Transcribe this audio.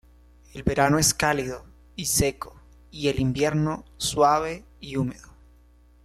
El verano es cálido y seco y el invierno suave y húmedo.